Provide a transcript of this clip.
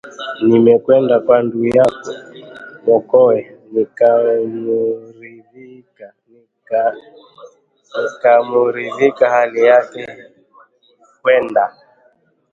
“Nimekwenda kwa ndu’ yako Mokowe, nikamdirika hali yake hwenda